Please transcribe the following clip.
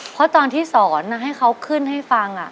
เพราะตอนที่สอนให้เขาขึ้นให้ฟัง